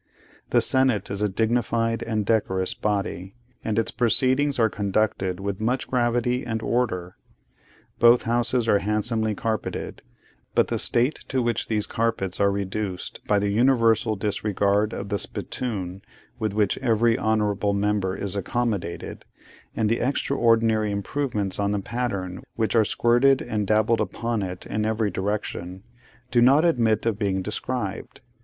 The Senate is a dignified and decorous body, and its proceedings are conducted with much gravity and order. Both houses are handsomely carpeted; but the state to which these carpets are reduced by the universal disregard of the spittoon with which every honourable member is accommodated, and the extraordinary improvements on the pattern which are squirted and dabbled upon it in every direction, do not admit of being described.